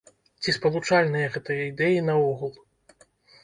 Ці спалучальныя гэтыя ідэі наогул?